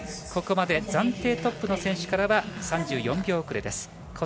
ここまで暫定トップの選手からは３４秒遅れです。